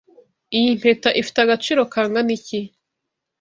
Iyi mpeta ifite agaciro kangana iki?